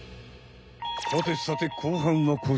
さてさて後半はこちら。